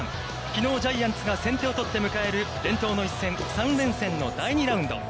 きのうジャイアンツが先手を取って迎える伝統の一戦、３連戦の第２ラウンド。